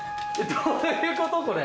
どういうことこれ？